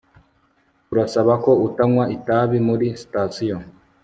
Turasaba ko utanywa itabi muri sitasiyo